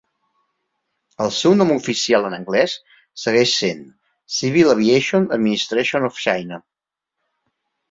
El seu nom oficial en anglès segueix sent "Civil Aviation Administration of China".